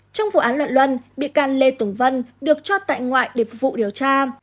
trong vụ án luận luân bị can lê tùng vân được cho tại ngoại để phục vụ điều tra